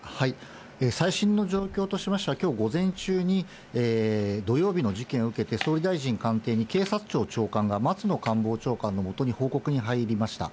最新の状況としましては、きょう午前中に土曜日の事件を受けて、総理大臣官邸に警察庁長官が松野官房長官のもとに報告に入りました。